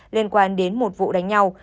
liên quan đến một vụ đánh nhau